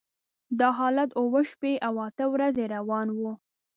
دا حالت اوه شپې او اته ورځې روان و.